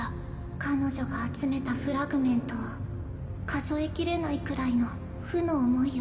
彼女が集めたフラグメントを数えきれないくらいの負の思いを。